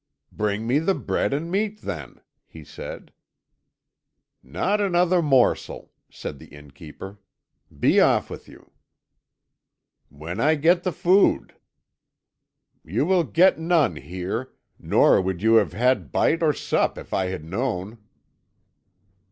"Bring me the bread and meat, then," he said. "Not another morsel," said the innkeeper. "Be off with you." "When I get the food." "You will get none here nor would you have had bite or sup if I had known."